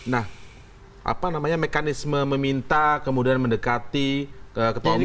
nah apa namanya mekanisme meminta kemudian mendekati ketua umum